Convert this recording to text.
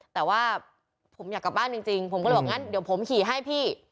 แต่ว่าผมอยากกลับบ้านจริงผมก็เลยบอกงั้นเดี๋ยวผมขี่ให้พี่